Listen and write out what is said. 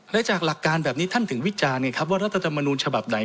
และจากหลักการแบบนี้ท่านถึงวิจารณ์ไงครับว่ารัฐธรรมนูญฉบับไหน